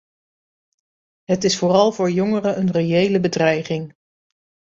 Het is vooral voor jongeren een reële bedreiging.